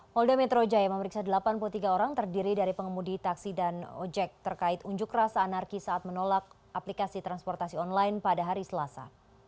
polda metro jaya memeriksa delapan puluh tiga orang terdiri dari pengemudi taksi dan ojek terkait unjuk rasa anarki saat menolak aplikasi transportasi online pada hari selasa